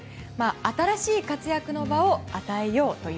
新しい活躍の場を与えようと。